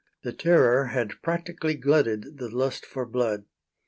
The Terror had practically glutted the lust for blood.